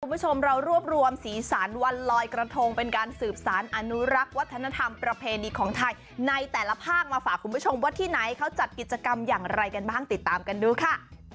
คุณผู้ชมเรารวบรวมสีสันวันลอยกระทงเป็นการสืบสารอนุรักษ์วัฒนธรรมประเพณีของไทยในแต่ละภาคมาฝากคุณผู้ชมว่าที่ไหนเขาจัดกิจกรรมอย่างไรกันบ้างติดตามกันดูค่ะ